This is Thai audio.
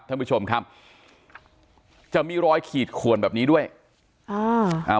ท่านผู้ชมครับจะมีรอยขีดขวนแบบนี้ด้วยอ่าอ่า